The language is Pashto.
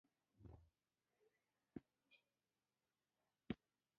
شجاع الدین خان د پروان د غوربند اوسیدونکی وو.